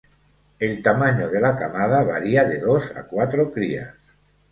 El tamaño de la camada varía de dos a cuatro crías.